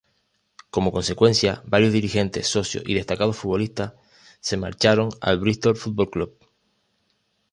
Como consecuencia, varios dirigentes, socios y destacados futbolistas se marcharon al Bristol Football Club.